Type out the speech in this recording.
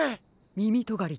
みみとがり